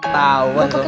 tauan sama lu